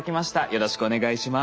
よろしくお願いします。